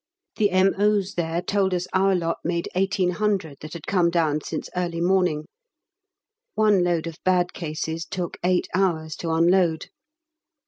The M.O.'s there told us our lot made 1800 that had come down since early morning; one load of bad cases took eight hours to unload.